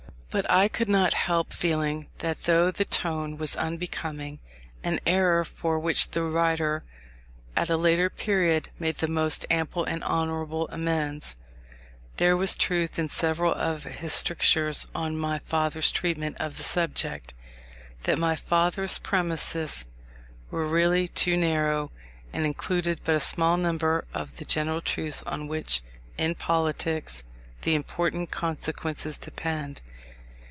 But I could not help feeling, that though the tone was unbecoming (an error for which the writer, at a later period, made the most ample and honourable amends), there was truth in several of his strictures on my father's treatment of the subject; that my father's premises were really too narrow, and included but a small number of the general truths on which, in politics, the important consequences depend.